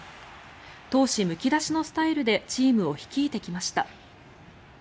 闘志むき出しのスタイルでチームを率いてきました。